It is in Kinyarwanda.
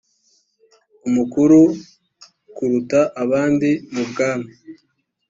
umukuru kuruta abandi mu bwami